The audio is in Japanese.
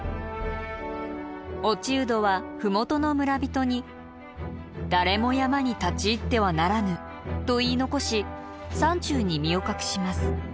落人は麓の村人に「誰も山に立ち入ってはならぬ」と言い残し山中に身を隠します。